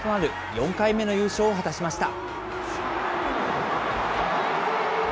４回目の優勝を果たしました。